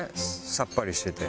さっぱりしてて。